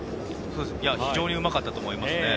非常にうまかったと思いますね。